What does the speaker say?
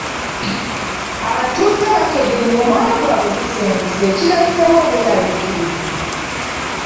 Abatuuze baakedde ng’omwalo gwabwe gusenguse ekireeseewo obweraliikirivu.